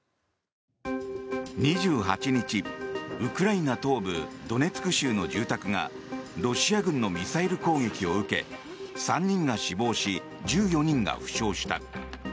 ２８日、ウクライナ東部ドネツク州の住宅がロシア軍のミサイル攻撃を受け３人が死亡し１４人が負傷した。